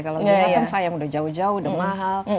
kalau di belakang sayang udah jauh jauh udah mahal